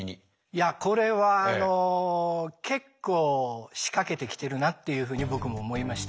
いやこれはあの結構仕掛けてきてるなっていうふうに僕も思いました。